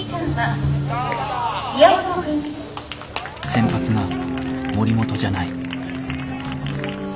先発が森本じゃない。